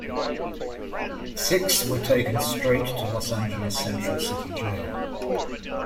Six were taken straight to Los Angeles' Central City Jail.